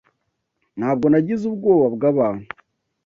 Ntabwo nagize ubwoba bwabantu: